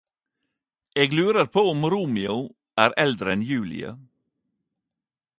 Eg lurer på om Romeo er eldre enn Julie?